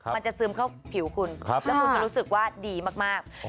ซึมเข้าผิวคุณแล้วคุณจะรู้สึกว่าดีมาก